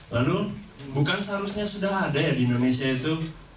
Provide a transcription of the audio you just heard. lalu bukan seharusnya sudah ada ya di indonesia itu